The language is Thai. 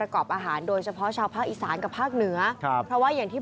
ดอกใหญ่กิชันชอบทานมากเลยเห็ดอันนี้